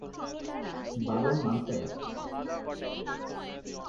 বারণ মানতে হয়।